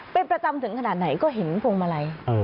เป็นประจำถึงขนาดไหนก็เห็นพวงมาลัย